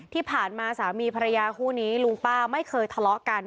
ที่ผ่านมาสามีภรรยาคู่นี้ลุงป้าไม่เคยทะเลาะกัน